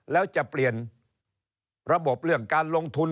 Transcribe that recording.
แล้วจะเปลี่ยนระบบเรื่องการลงทุน